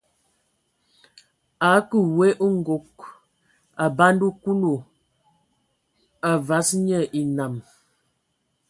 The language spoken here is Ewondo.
A kǝə we nkog, a banda Kulu, a vas nye enam.